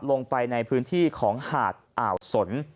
ลงไปในพื้นที่ของหาดอ่าวสน